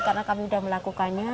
karena kami sudah melakukannya